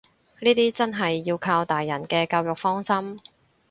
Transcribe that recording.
呢啲真係要靠大人嘅教育方針